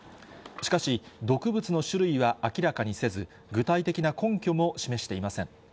しかし、毒物の種類は明らかにせず、具体的な根拠も示していません。